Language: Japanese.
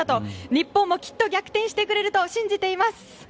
日本もきっと逆転してくれると信じています！